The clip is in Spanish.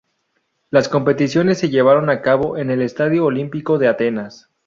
Las competiciones se llevaron a cabo en el Estadio Olímpico de Atenas.